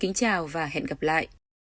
xin chào và hẹn gặp lại